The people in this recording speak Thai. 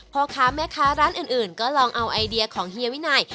พ่อค้าแม่ค้าร้านอื่นก็ลองเอาไอเดียของเฮียวินัย